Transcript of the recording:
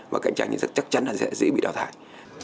và cạnh tranh thì rất chắc chắn là sẽ dễ bị đào thải